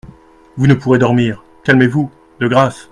Vous ne pourrez dormir, calmez-vous, de grâce.